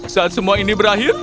saat semua ini berakhir